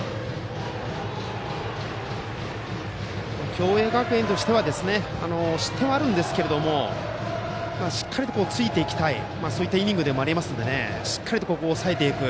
共栄学園としては失点はあるんですけどしっかりとついていきたいイニングでもありますのでしっかりとここを抑えていく。